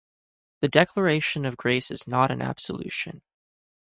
The Declaration of Grace is not an absolution.